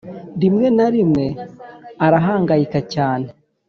rimwe na rimwe arahangayika cyane,